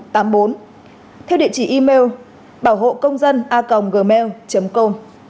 theo địa chỉ email bảo hộ công dân a gmail com